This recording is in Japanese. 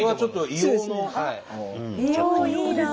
硫黄いいなあ。